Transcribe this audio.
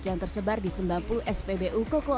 yang tersebar di sembilan puluh spbu koko